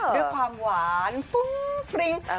ด้วยความหวานฟุ้งฟริ้ง